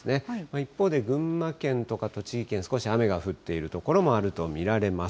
一方で群馬県とか栃木県、少し雨が降っている所もあると見られます。